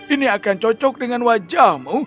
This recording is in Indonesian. ini akan cocok dengan wajahmu